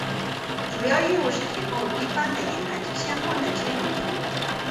主要业务是提供一般的银行及相关的金融服务。